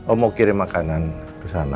oh mau kirim makanan ke sana